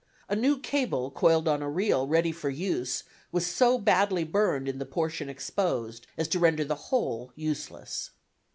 A new cable coiled on a reel ready for use was so badly burned in the portion exposed as to render the whole useless.